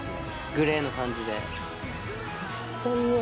グレーの感じで。